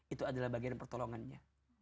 itu adalah bagian pertolongannya